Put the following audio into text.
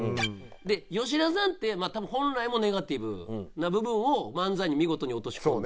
で吉田さんって多分本来もネガティブな部分を漫才に見事に落とし込んだ。